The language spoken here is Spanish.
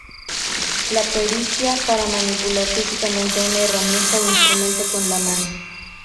La pericia para manipular físicamente una herramienta o instrumento con la mano.